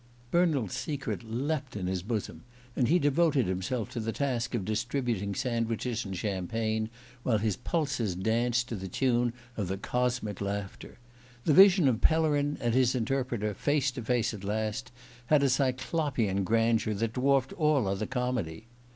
Bernald's secret leapt in his bosom, and he devoted himself to the task of distributing sandwiches and champagne while his pulses danced to the tune of the cosmic laughter. The vision of Pellerin and his Interpreter, face to face at last, had a Cyclopean grandeur that dwarfed all other comedy.